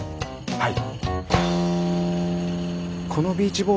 はい！